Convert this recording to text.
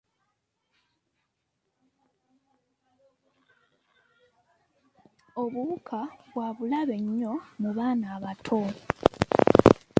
Obuwuka bwa bulabe nnyo mu baana abato.